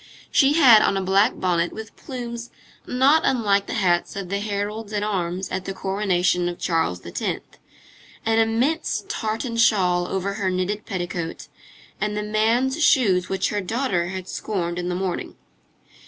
She had on a black bonnet with plumes not unlike the hats of the heralds at arms at the coronation of Charles X., an immense tartan shawl over her knitted petticoat, and the man's shoes which her daughter had scorned in the morning.